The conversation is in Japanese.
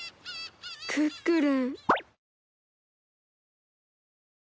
クックルン。